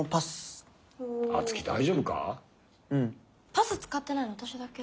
パス使ってないの私だけ？